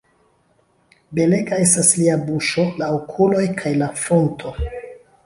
Belega estas lia buŝo, la okuloj kaj la frunto.